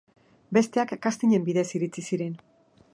Besteak kastinen bidez iritsi ziren.